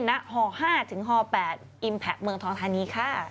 ณห๕๘อิมแพทย์เมืองท้องธานีค่ะ